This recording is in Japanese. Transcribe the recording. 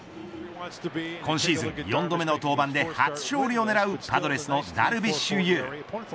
今シーズン４度目の登板で初勝利を狙うパドレスのダルビッシュ有。